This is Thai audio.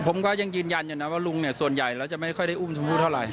ผมก็ยังยืนยันอยู่นะว่าลุงเนี่ยส่วนใหญ่แล้วจะไม่ค่อยได้อุ้มชมพู่เท่าไหร